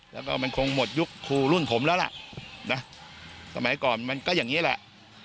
แล้วก็มันคงหมดยุคครูรุ่นผมแล้วล่ะนะสมัยก่อนมันก็อย่างนี้แหละ